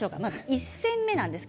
１煎目です。